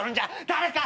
誰か！